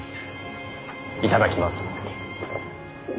いただきます。